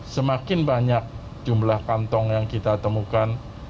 semakin banyak jumlah kantong yang kita temukan